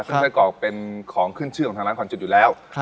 ซึ่งไส้กรอกเป็นของขึ้นชื่อของทางร้านควันจุดอยู่แล้ว